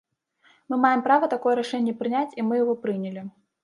Мы маем права такое рашэнне прыняць, і мы яго прынялі.